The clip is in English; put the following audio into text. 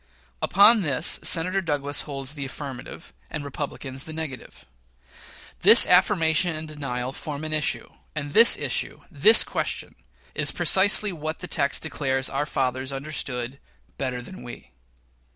Upon this Senator Douglas holds the affirmative, and Republicans the negative. This affirmation and denial form an issue, and this issue this question is precisely what the text declares our fathers understood "better than we."